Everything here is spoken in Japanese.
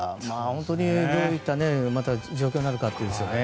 本当にどういった状況になるかと。